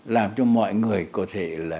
làm cho mọi người có thể thực hiện một cách dễ dàng